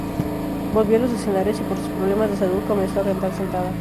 Volvió a los escenarios y por sus problemas de salud comenzó a cantar sentada.